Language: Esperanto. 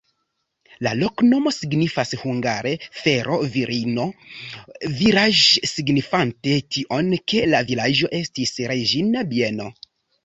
La loknomo signifas hungare: fero-virino-vilaĝ', signifante tion, ke la vilaĝo estis reĝina bieno.